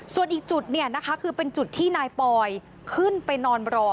ส่วนอีกจุดเนี่ยนะคะคือเป็นจุดที่นายปอยขึ้นไปนอนรอ